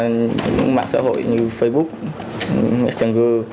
những mạng xã hội như facebook trang gư